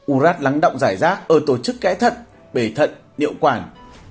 ú rác lắng động giải rác ở tổ chức kẽ thận bề thận niệu quản